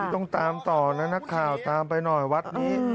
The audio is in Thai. ต้องตามต่อนะกระเป๋าตามไปหน่อยค์วัดนี้